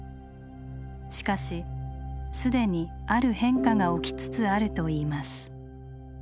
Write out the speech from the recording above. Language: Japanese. しかし既にある変化が起きつつあるといいます。